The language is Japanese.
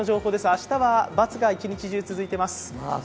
明日は×が一日中、続いています。